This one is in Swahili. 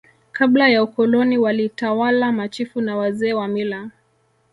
Kabla ya Ukoloni walitawala Machifu na Wazee wa mila